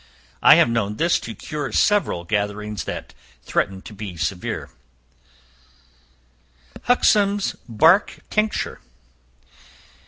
I have known this to cure several gatherings that threatened to be severe. Huxham's Bark Tincture.